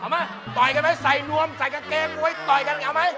เอาไหมต่อยกันไหมใส่นวมใส่กางเกงมวยต่อยกันไหม